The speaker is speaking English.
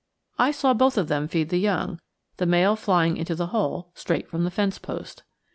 I saw both of them feed the young, the male flying into the hole straight from the fence post.